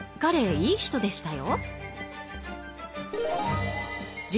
彼もいい人でしたよ。